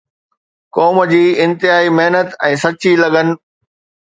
قوم جي انتھائي محنت ۽ سچي لگن